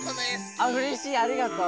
あうれしいありがとう。